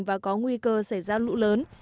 và có nguy cơ xảy ra lũ lớn